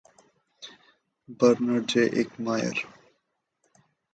Bernard J. Eikmeier.